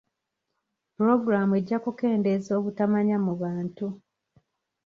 Puloogulaamu ejja kukendeeza obutamanya mu bantu.